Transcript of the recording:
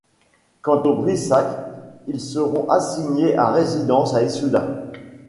Quant aux Brissac, ils seront assignés à résidence à Issoudun.